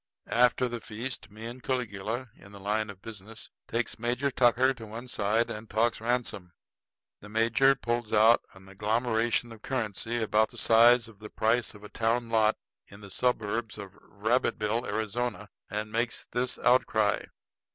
After the feast me and Caligula, in the line of business, takes Major Tucker to one side and talks ransom. The major pulls out an agglomeration of currency about the size of the price of a town lot in the suburbs of Rabbitville, Arizona, and makes this outcry.